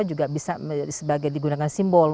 juga bisa sebagai digunakan simbol